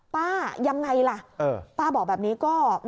ป้ายังไงล่ะป้าบอกแบบนี้ก็